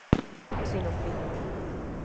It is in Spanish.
Sin ombligo.